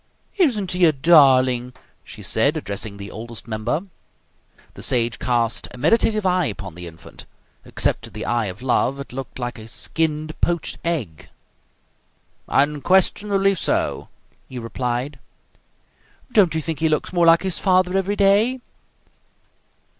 "Isn't he a darling!" she said, addressing the Oldest Member. The Sage cast a meditative eye upon the infant. Except to the eye of love, it looked like a skinned poached egg. "Unquestionably so," he replied. "Don't you think he looks more like his father every day?"